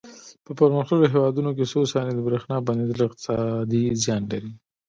په پرمختللو هېوادونو کې څو ثانیې د برېښنا بندېدل اقتصادي زیان لري.